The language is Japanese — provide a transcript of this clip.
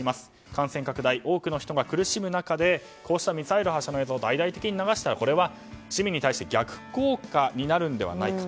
感染拡大、多くの人が苦しむ中で、ミサイル発射の映像を大々的に流したら市民に対して逆効果になるのではないか。